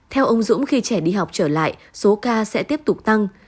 theo ông dũng khi trẻ đi học trở lại số ca sẽ tiếp tục tăng